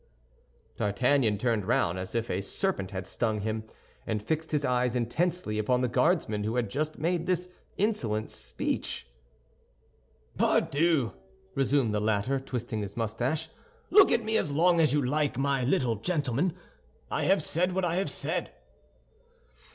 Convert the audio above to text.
D'Artagnan turned round as if a serpent had stung him, and fixed his eyes intensely upon the Guardsman who had just made this insolent speech. "Pardieu," resumed the latter, twisting his mustache, "look at me as long as you like, my little gentleman! I have said what I have said."